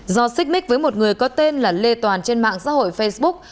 do xích mít với một người có tên là lê toàn trên mạng xã hội facebook